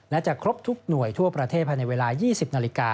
และจะครบทุกหน่วยทั่วประเทศภายในเวลา๒๐นาฬิกา